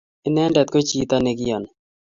Inendet ko chito ne kiyani